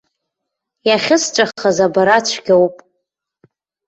Иахьысҵәахыз абара цәгьоуп.